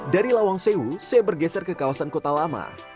dari lawang sewu saya bergeser ke kawasan kota lama